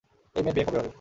এই মেয়ের বিয়ে কবে হবে?